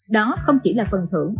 đó không chỉ là phần thưởng